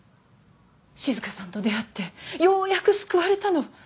静香さんと出会ってようやく救われたの。